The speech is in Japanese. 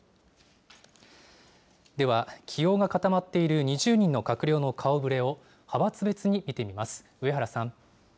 では起用が固まっている２０人の閣僚の顔ぶれを、派閥別に見てみます。